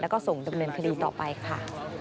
แล้วก็ส่งดำเนินคดีต่อไปค่ะ